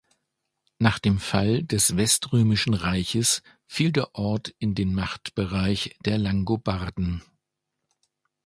Nach dem Fall des Weströmischen Reiches fiel der Ort in den Machtbereich der Langobarden.